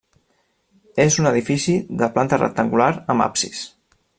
És un edifici de planta rectangular amb absis.